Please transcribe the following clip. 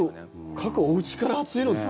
各おうちから熱いのが。